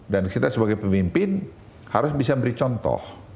dan kita sebagai pemimpin harus bisa beri contoh